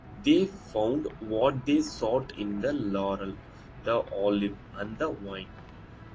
They found what they sought in the laurel, the olive, and the vine.